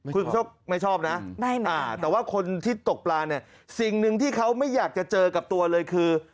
คุณโชคไม่ชอบนะแต่ว่าคนที่ตกปลาเนี่ยสิ่งหนึ่งที่เขาไม่อยากจะเจอกับตัวเลยคือ